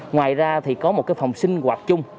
ngoài ra thì có một cái phòng sinh hoạt chung